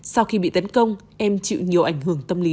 sau khi bị tấn công em chịu nhiều ảnh hưởng tâm lý